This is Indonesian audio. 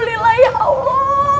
terima kasih ya allah